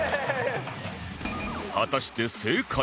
果たして正解は